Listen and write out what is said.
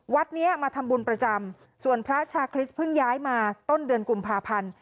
วัดนี้มาทำบุญประจำส่วนพระชาคริสต์เพิ่งย้ายมาต้นเดือนกุมภาพันธ์